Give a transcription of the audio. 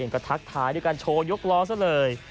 ก็ทักท้ายด้วยการโชว์ยกล้อซะเลย